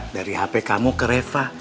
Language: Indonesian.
dari hp kamu ke refa